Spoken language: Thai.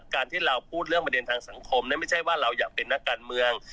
การที่เราพูดเรื่องประเด็นทางสังคมไม่ใช่ว่าเราอยากเป็นนักการเมือง